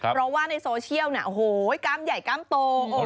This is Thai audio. เพราะว่าในโซเชียลเนี่ยโอ้โหกล้ามใหญ่กล้ามโต